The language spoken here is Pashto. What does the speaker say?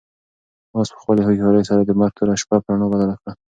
آس په خپلې هوښیارۍ سره د مرګ توره شپه په رڼا بدله کړه.